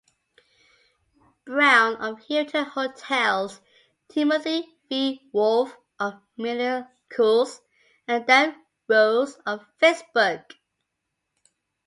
Brown of Hilton Hotels, Timothy V. Wolf of MillerCoors, and Dan Rose of Facebook.